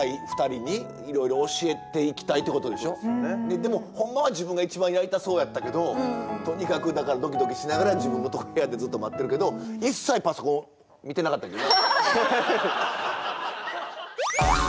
でもほんまは自分が一番やりたそうやったけどとにかくだからドキドキしながら自分の部屋でずっと待ってるけど一切パソコン見てなかったけどね。